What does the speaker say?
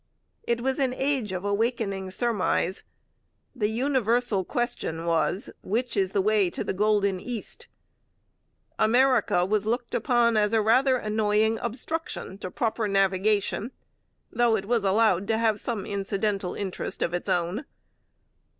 It was an age of awakening surmise. The universal question was, which is the way to the golden East? America was looked upon as a rather annoying obstruction to proper navigation, though it was allowed to have some incidental interest of its own.